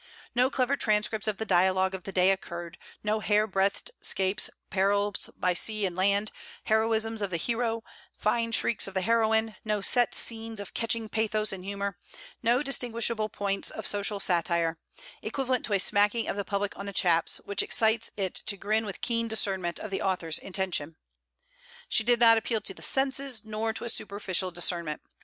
No clever transcripts of the dialogue of the day occurred; no hair breadth 'scapes, perils by sea and land, heroisms of the hero, fine shrieks of the heroine; no set scenes of catching pathos and humour; no distinguishable points of social satire equivalent to a smacking of the public on the chaps, which excites it to grin with keen discernment of the author's intention. She did not appeal to the senses nor to a superficial discernment.